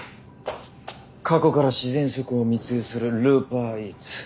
過去から自然食を密輸するルーパーイーツ。